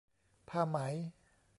ผ้าไหม